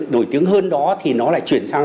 nổi tiếng hơn đó thì nó lại chuyển sang